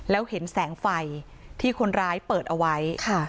แล้วเห็นแสงไฟที่คนร้ายเปิดเอาไว้ค่ะ